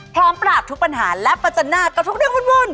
พร้อมปราบทุกปัญหาและประจันหน้ากับทุกเรื่องวุ่น